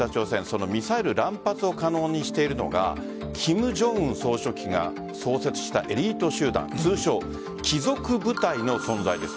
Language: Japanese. そのミサイル乱発を可能にしているのが金正恩総書記が創設したエリート集団通称・貴族部隊の存在です。